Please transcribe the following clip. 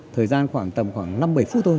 thời gian khoảng tầm khoảng năm bảy phút thôi